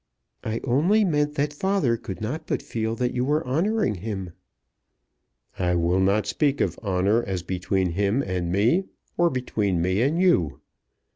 "I only meant that father could not but feel that you were honouring him." "I will not speak of honour as between him and me or between me and you.